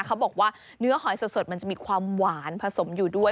เขาบอกว่าเนื้อหอยสดมันจะมีความหวานผสมอยู่ด้วย